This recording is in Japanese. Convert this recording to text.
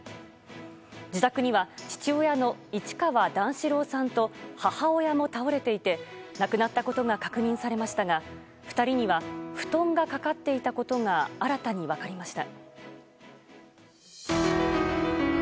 自宅には父親の市川段四郎さんと母親も倒れていて亡くなったことが確認されましたが２人には布団がかかっていたことが新たに分かりました。